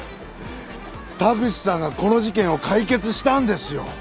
田口さんがこの事件を解決したんですよ！